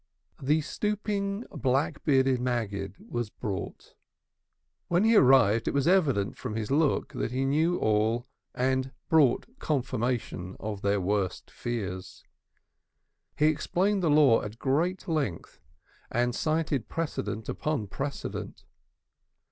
The stooping, black bearded Maggid was brought. When he arrived, it was evident from his look that he knew all and brought confirmation of their worst fears. He explained the law at great length, and cited precedent upon precedent.